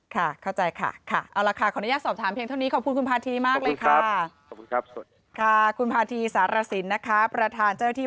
ค่ะเข้าใจค่ะเอาละค่ะขออนุญาตสอบถามเพียงเท่านี้